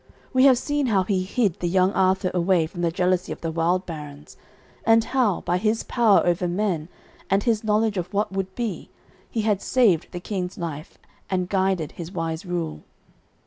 We have seen how he hid the young Arthur away from the jealousy of the wild barons, and how, by his power over men and his knowledge of what would be, he had saved the King's life and guided his wise rule.